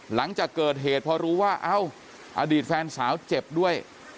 หลังจากเกิดเหตุพอรู้ว่าเอ้าอดีตแฟนสาวเจ็บด้วย